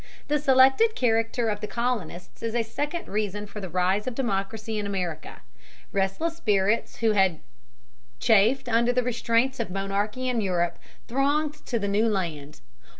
The selected character of the colonists is a second reason for the rise of democracy in America. Restless spirits who had chafed under the restraints of monarchy in Europe, thronged to the new land.